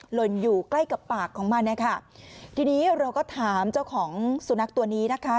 หล่นอยู่ใกล้กับปากของมันนะคะทีนี้เราก็ถามเจ้าของสุนัขตัวนี้นะคะ